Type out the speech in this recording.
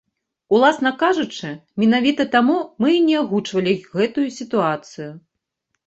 Уласна кажучы, менавіта таму мы і не агучвалі гэтую сітуацыю.